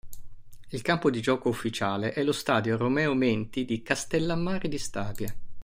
Il campo di gioco ufficiale è lo stadio Romeo Menti di Castellammare di Stabia.